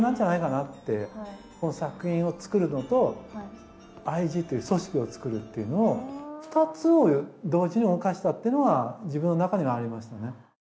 作品を作るのとＩ．Ｇという組織を作るっていうのを２つを同時に動かしたっていうのは自分の中にはありましたね。